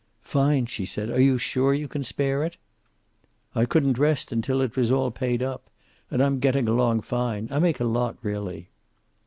"Fine!" she said. "Are you sure you can spare it?" "I couldn't rest until it was all paid up. And I'm getting along fine. I make a lot, really."